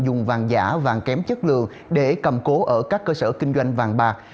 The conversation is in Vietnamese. dùng vàng giả vàng kém chất lượng để cầm cố ở các cơ sở kinh doanh vàng bạc